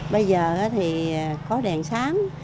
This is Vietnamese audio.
bây giờ thì có đèn sáng